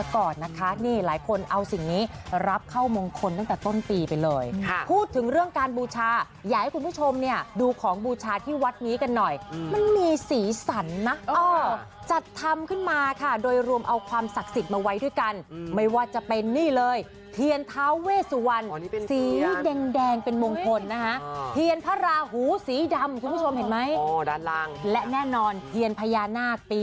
เข้ามงคลตั้งแต่ต้นปีไปเลยค่ะพูดถึงเรื่องการบูชาอยากให้คุณผู้ชมเนี่ยดูของบูชาที่วัดนี้กันหน่อยมันมีสีสันนะอ่อจัดทำขึ้นมาค่ะโดยรวมเอาความศักดิ์สิทธิ์มาไว้ด้วยกันไม่ว่าจะเป็นนี่เลยเทียนท้าเวสวรรค์สีแดงเป็นมงคลนะคะเทียนพระหูสีดำคุณผู้ชมเห็นไหมด้านล่างและแน่นอนเทียนพญานา